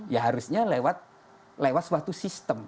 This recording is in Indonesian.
ya harusnya lewat suatu sistem